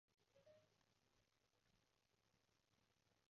個個嘅兄弟姊妹都係噉㗎啦